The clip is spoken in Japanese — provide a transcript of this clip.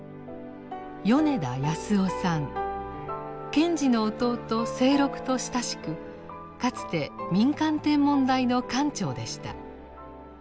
賢治の弟清六と親しくかつて民間天文台の館長でした。